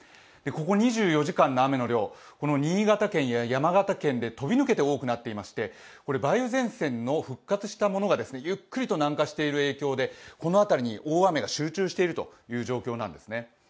ここ２４時間の雨の量、新潟県や山形県で飛び抜けて多くなっていまして、梅雨前線の復活したものがゆっくりと南下している影響でこの辺りに大雨が集中している状況なんですね。